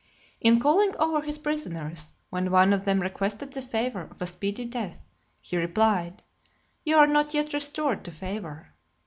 In calling over his prisoners, when one of them requested the favour of a speedy death, he replied, "You are not yet restored to favour."